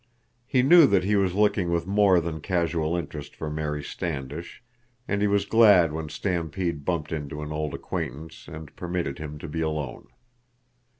He knew that he was looking with more than casual interest for Mary Standish, and he was glad when Stampede bumped into an old acquaintance and permitted him to be alone.